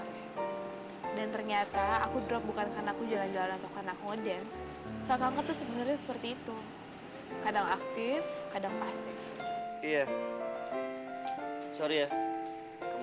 dan ternyata aku drop bukan karena aku jalan jalan